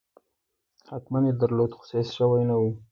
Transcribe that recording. حتماً یې درلود خو سیاسي شوی نه و.